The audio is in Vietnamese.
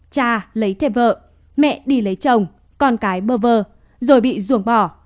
cha lấy thêm vợ mẹ đi lấy chồng con cái bơ vơ rồi bị ruồng bỏ